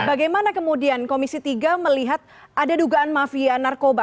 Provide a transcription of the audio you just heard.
bagaimana kemudian komisi tiga melihat ada dugaan mafia narkoba